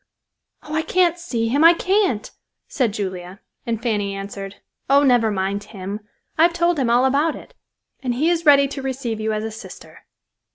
"Oh, I can't see him, I can't," said Julia, and Fanny answered, "Oh, never mind him. I have told him all about it, and he is ready to receive you as a sister."